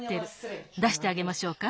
出してあげましょうか？